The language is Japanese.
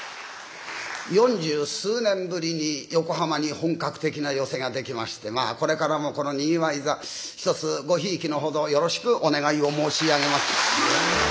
四十数年ぶりに横浜に本格的な寄席が出来ましてまあこれからもこのにぎわい座一つごひいきの程よろしくお願いを申し上げます。